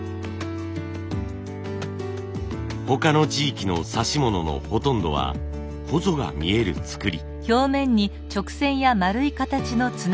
他の地域の指物のほとんどはほぞが見える作り。